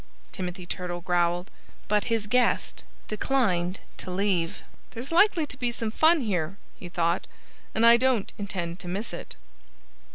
Timothy Turtle growled. But his guest declined to leave. "There's likely to be some fun here," he thought, "and I don't intend to miss it."